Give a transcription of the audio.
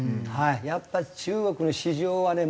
やっぱり中国の市場はね